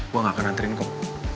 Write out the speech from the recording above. gue gak akan anterin kamu